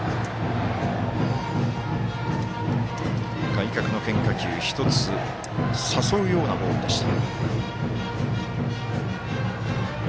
外角の変化球、１つ誘うようなボールでした。